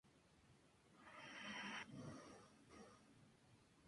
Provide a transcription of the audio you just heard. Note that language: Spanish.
Nombraron a Peter Stuyvesant.